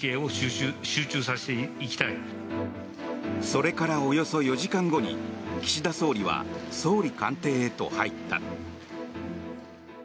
それからおよそ４時間後に岸田総理は総理官邸へと入った。